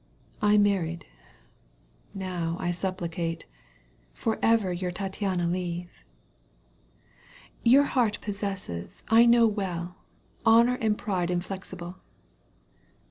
I married — ^now, I supplicate — For ever your Tattiana leave. Your heart possesses, I know well, Honour and pride inflexible.